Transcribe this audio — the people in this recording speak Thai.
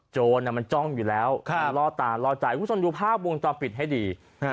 โจรมันจ้องอยู่แล้วล่อตาล่อใจคุณผู้ชมดูภาพวงจอมปิดให้ดี